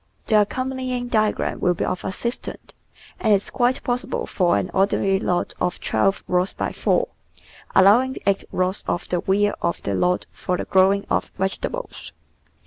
The accompanying diagram will be of assistance, and is quite possible for an ordinary lot of twelve rods by four, allowing eight rods of the rear of the lot for the growing of vegetables.